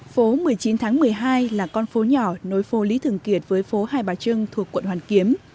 phố một mươi chín tháng một mươi hai là con phố nhỏ nối phố lý thường kiệt với phố hai bà trưng thuộc quận hoàn kiếm